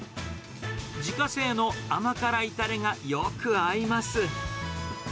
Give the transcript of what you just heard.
自家製の甘辛いたれがよく合います。